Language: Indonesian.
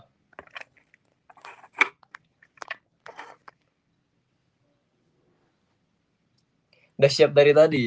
udah siap dari tadi